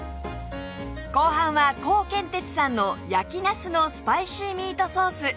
後半はコウケンテツさんの焼きなすのスパイシーミートソース